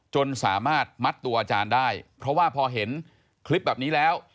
จนสามารถมัดตัวอาจารย์ได้เพราะว่าพอเห็นคลิปแบบนี้แล้ว